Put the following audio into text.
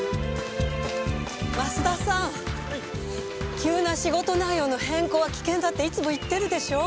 急な仕事内容の変更は危険だっていつも言ってるでしょう。